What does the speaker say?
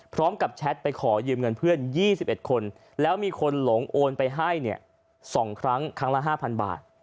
แชทไปขอยืมเงินเพื่อน๒๑คนแล้วมีคนหลงโอนไปให้๒ครั้งครั้งละ๕๐๐บาท